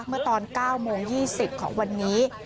เมื่อตอน๙โมง๒๐ของวันนี้